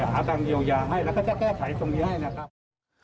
หาการเยียวยาให้แล้วก็จะแก้ไขตรงนี้ให้นะครับ